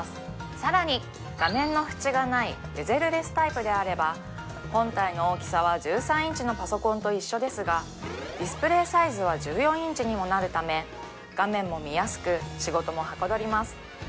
さらに画面の縁がないベゼルレスタイプであれば本体の大きさは１３インチのパソコンと一緒ですがディスプレイサイズは１４インチにもなるため画面も見やすく仕事もはかどります